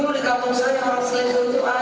perempuan boleh sama perempuan